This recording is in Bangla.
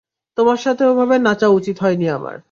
তোমার সাথে ওভাবে নাচা উচিত হয়নি আমার।